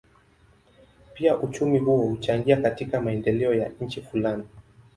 Pia uchumi huo huchangia katika maendeleo ya nchi fulani.